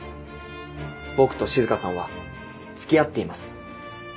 僕と静さんはつきあっています。